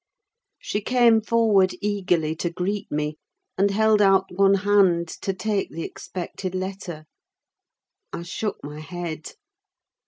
She came forward eagerly to greet me, and held out one hand to take the expected letter. I shook my head.